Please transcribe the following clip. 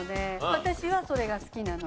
私はそれが好きなので。